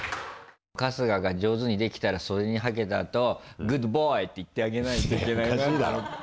春日が上手にできたら袖にはけたあと「グッドボーイ」って言ってあげないといけないなと。